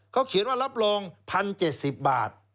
เขาเขียนว่ารับรอง๑๐๗๐บาท